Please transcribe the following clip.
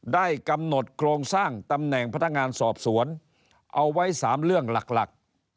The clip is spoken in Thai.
ได้กำหนดโครงสร้างตำแหน่งพนักงานสอบสวนเอาไว้๓เรื่องหลัก